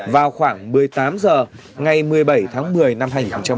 vào khoảng một mươi tám h ngày một mươi bảy tháng một mươi năm hai nghìn một mươi chín